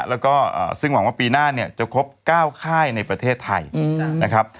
แล้วก็ซึ่งหวังว่าปีหน้าเนี่ยจะครบ๙ค่ายในประเทศไทยนะครับ